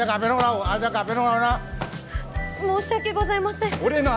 申し訳ございません